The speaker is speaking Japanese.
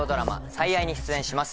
「最愛」に出演します